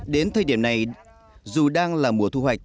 đến thời điểm này dù đang là mùa thu hoạch